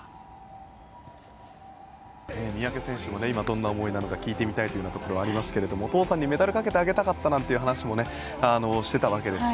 三宅選手も今どんな思いなのか聞いてみたいというところがありますけどお父さんにメダルかけてあげたかったなんて話もしていたわけですけが。